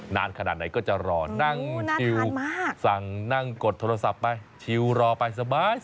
นานขนาดไหนก็จะรอนั่งชิวสั่งนั่งกดโทรศัพท์ไปชิวรอไปสบาย